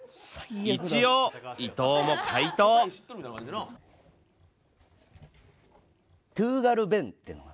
一応伊藤も回答「トゥーガルベン」っていうのが。